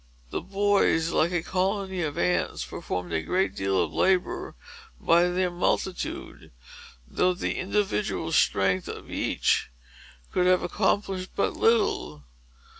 The boys, like a colony of ants, performed a great deal of labor by their multitude, though the individual strength of each could have accomplished but little.